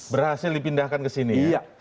berhasil dipindahkan kesini